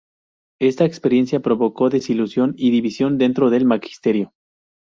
Esta experiencia provocó desilusión y división dentro del magisterio.